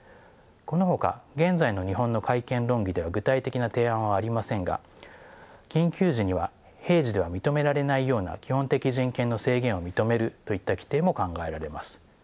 このほか現在の日本の改憲論議では具体的な提案はありませんが緊急時には平時では認められないような基本的人権の制限を認めるといった規定も考えられます。